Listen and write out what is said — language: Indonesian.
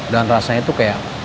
dan rasanya itu kayak